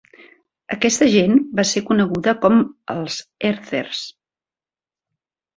Aquesta gent va ser coneguda com els Erthers.